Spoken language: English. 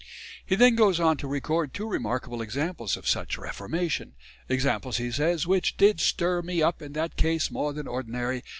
He then goes on to record two remarkable examples of such "reformation" examples, he says, "which did stirr me up in that case more than ordinary.